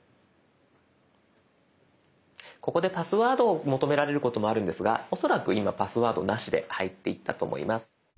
ここでパスワードを求められることもあるんですが恐らく今パスワードなしで入っていったと思います。